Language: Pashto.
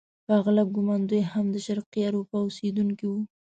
په اغلب ګومان دوی هم د شرقي اروپا اوسیدونکي وو.